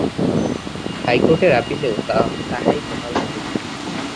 হাইকোর্টের আপিলেও তাহাই বহাল রহিল।